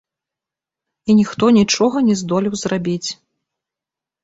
І ніхто нічога не здолеў зрабіць.